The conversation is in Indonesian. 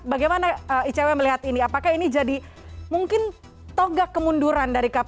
bagaimana icw melihat ini apakah ini jadi mungkin toga kemunduran dari kpk